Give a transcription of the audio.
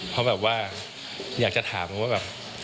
เพราะแบบว่าอยากจะถามว่าแบบ